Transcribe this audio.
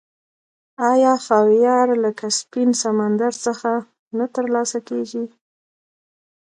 آیا خاویار له کسپین سمندر څخه نه ترلاسه کیږي؟